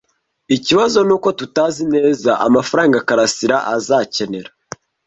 Ikibazo nuko tutazi neza amafaranga karasira azakenera.